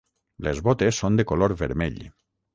Les botes són de color vermell.